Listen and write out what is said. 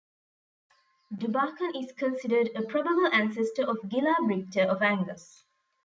Dubacan is considered a probable ancestor of Gilla Brigte of Angus.